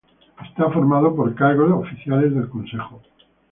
Está formado por cargos oficiales del Consejo.